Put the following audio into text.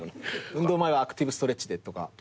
「運動前はアクティブストレッチで」とか。